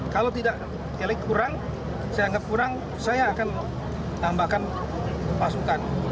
kalau tidak kurang saya akan tambahkan pasukan